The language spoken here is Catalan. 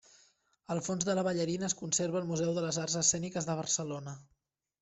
El fons de la ballarina es conserva al Museu de les Arts Escèniques de Barcelona.